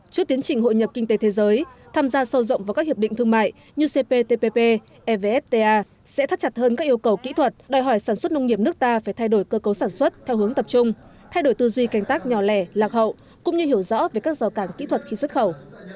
trước tiến trình hội nhập kinh tế thế giới tham gia sâu rộng vào các hiệp định thương mại như cptpp evfta sẽ thắt chặt hơn các yêu cầu kỹ thuật đòi hỏi sản xuất nông nghiệp nước ta phải thay đổi cơ cấu sản xuất theo hướng tập trung thay đổi tư duy canh tác nhỏ lẻ lạc hậu cũng như hiểu rõ về các rào cản kỹ thuật khi xuất khẩu